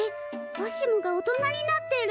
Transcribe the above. わしもが大人になってる！